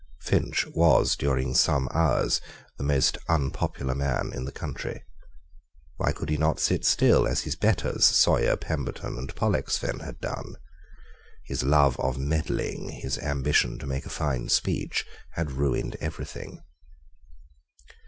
Finch was, during some hours, the most unpopular man in the country. Why could he not sit still as his betters, Sawyer, Pemberton, and Pollexfen had done? His love of meddling, his ambition to make a fine speech, had ruined everything.